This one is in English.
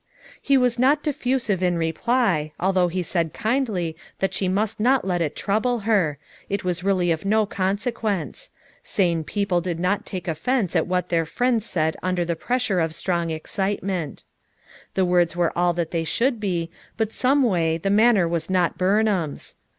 " He was not diffusive in reply, although he said kindly that she must not let it trouble her, it was really of no consequence; sane people did not take offense at what their friends said un der the pressure of strong excitement The words were all that they should be, but some way, the manner was not Burnhani's.